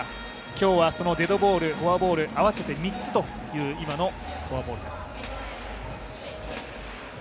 今日はデッドボール、フォアボール合わせて３つという今のフォアボールです。